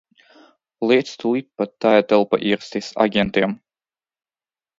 Liec tūlīt pat tai telpā ierasties aģentiem!